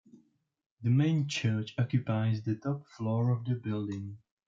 The main church occupies the top floor of the building.